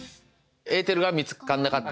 エーテルが見つかんなかった。